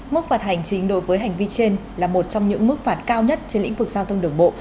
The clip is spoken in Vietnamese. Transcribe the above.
mức phạt hành chính đối với hành vi trên là một trong những mức phạt cao nhất trên lĩnh vực giao thông đường bộ